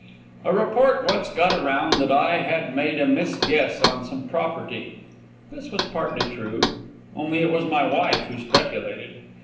A report once got around that I had made a misguess on some property. This is partly true, only it was my wife who speculated.